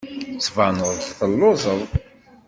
Tettbaneḍ-d telluẓeḍ.